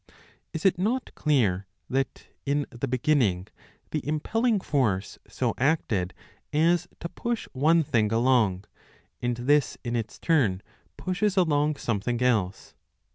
Is it not clear that in the beginning the impelling force so acted as to push one thing along, and this in its turn pushes along something else